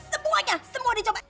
semuanya semua dicoba